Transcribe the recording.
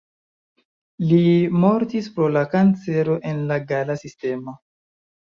Li mortis pro la kancero en la gala sistemo.